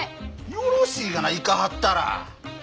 よろしいがな行かはったら。